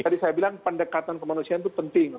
tadi saya bilang pendekatan kemanusiaan itu penting